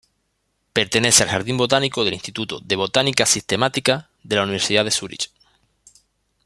Pertenece al Jardín botánico del Instituto de Botánica Sistemática, de la Universidad de Zúrich.